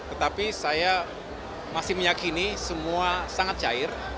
tetapi saya masih meyakini semua sangat cair